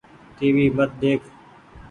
ٽي وي مت ۮيک ۔